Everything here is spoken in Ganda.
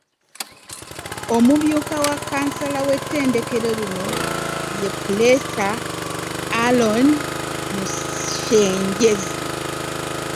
Omumyuka wa Ccansala w'ettendekero lino, ye Ppuleesa Aaron Mushengyezi,